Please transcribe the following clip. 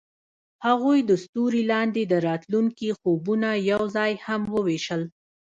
هغوی د ستوري لاندې د راتلونکي خوبونه یوځای هم وویشل.